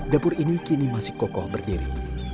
dapur ini kini masih kokoh berdiri